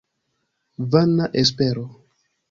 Vana espero!